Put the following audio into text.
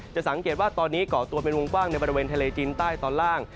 สังเกตว่าตอนนี้ก่อตัวเป็นวงกว้างในบริเวณทะเลจีนใต้ตอนล่าง